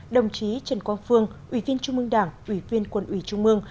đồng chí trần quang phương ủy viên trung mương đảng ủy viên quân ủy trung mương